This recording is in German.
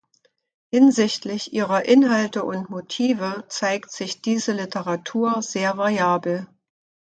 Hinsichtlich ihrer Inhalte und Motive zeigt sich diese Literatur sehr variabel.